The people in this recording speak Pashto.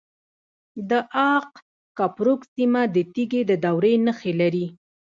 د اق کپروک سیمه د تیږې د دورې نښې لري